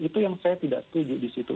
itu yang saya tidak setuju disitu